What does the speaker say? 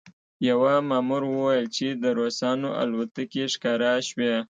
یوه مامور وویل چې د روسانو الوتکې ښکاره شوې